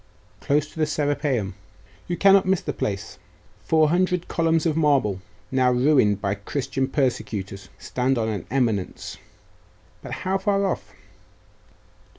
'Close to the Serapeium. You cannot miss the place: four hundred columns of marble, now ruined by Christian persecutors, stand on an eminence ' 'But how far off?